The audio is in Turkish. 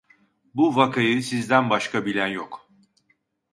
Bu vakayı sizden başka bilen yok.